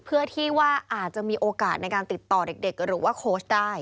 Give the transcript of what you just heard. เพื่อที่ว่าอาจจะมีโอกาสในการติดต่อเด็กหรือว่าโค้ชได้